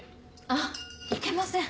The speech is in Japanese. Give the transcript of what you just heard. あっいけません。